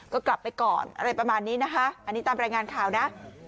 ก็กลับไปก่อนอะไรประมาณนี้นะคะอันนี้ตามรายงานข่าวนะ